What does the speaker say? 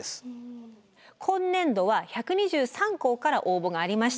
今年度は１２３校から応募がありました。